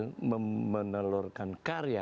untuk tampil menelurkan karya